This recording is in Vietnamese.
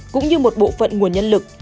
cũng như một bộ phận nguồn nhân lực